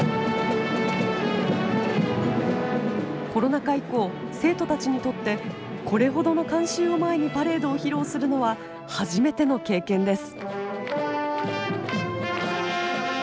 コロナ禍以降生徒たちにとってこれほどの観衆を前にパレードを披露するのは初めての経験です。